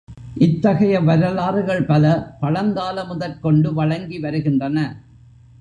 இத்தகைய வரலாறுகள் பல பழங்கால முதற் கொண்டு வழங்கி வருகின்றன.